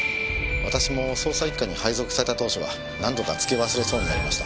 私も捜査一課に配属された当初は何度かつけ忘れそうになりました。